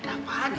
ada apaan ya